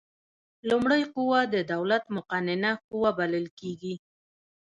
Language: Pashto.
لومړۍ قوه د دولت مقننه قوه بلل کیږي.